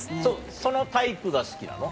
そのタイプが好きなの？